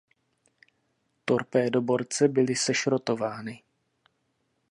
Torpédoborce byly sešrotovány.